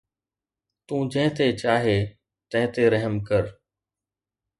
تون جنهن تي چاهي تنهن تي رحم ڪر